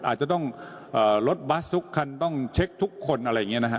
อาจจะต้องรถบัสทุกคันต้องเช็คทุกคนอะไรอย่างนี้นะฮะ